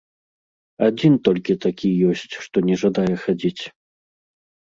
Адзін толькі такі ёсць, што не жадае хадзіць.